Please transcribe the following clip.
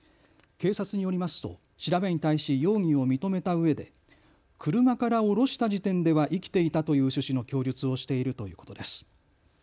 警察によりますと調べに対し容疑を認めたうえで車から降ろした時点では生きていたという趣旨の供述をしているということです。